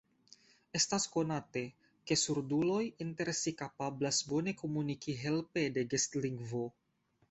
Estas konate, ke surduloj inter si kapablas bone komuniki helpe de gestlingvo.